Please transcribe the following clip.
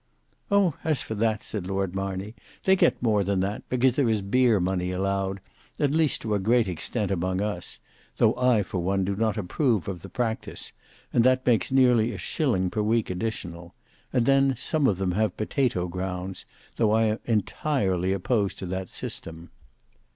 "Oh! as for that," said Lord Marney; "they get more than that, because there is beer money allowed, at least to a great extent among us, though I for one do not approve of the practice, and that makes nearly a shilling per week additional; and then some of them have potatoe grounds, though I am entirely opposed to that system.